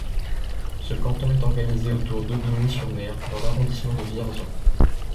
Ce canton est organisé autour d'Aubigny-sur-Nère dans l'arrondissement de Vierzon.